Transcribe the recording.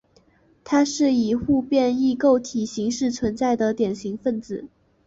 它是以互变异构体形式存在的典型分子。